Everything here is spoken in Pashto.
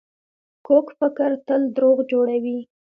کوږ فکر تل دروغ جوړوي